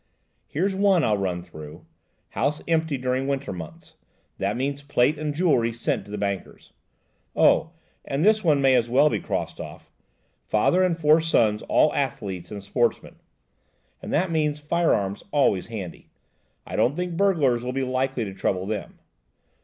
Here's one I'll run through, 'house empty during winter months,' that means plate and jewellery sent to the bankers. Oh! and this one may as well be crossed off, 'father and four sons all athletes and sportsmen,' that means firearms always handy–I don't think burglars will be likely to trouble them.